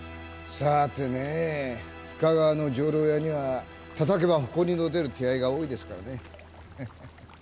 さあてね深川の女郎屋にはたたけば埃の出る手合いが多いですからね。